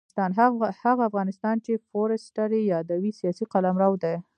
هغه افغانستان چې فورسټر یې یادوي سیاسي قلمرو دی.